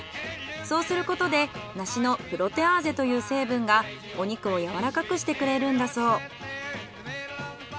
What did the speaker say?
そうすることで梨のプロテアーゼという成分がお肉をやわらかくしてくれるんだそう。